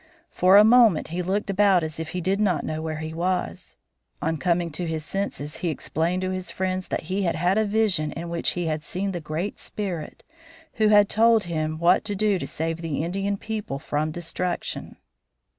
For a moment he looked about as if he did not know where he was. On coming to his senses he explained to his friends that he had had a vision in which he had seen the Great Spirit, who had told him what to do to save the Indian people from destruction.